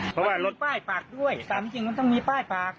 มันมีป้ายปากด้วยตามจริงมันต้องมีป้ายปาก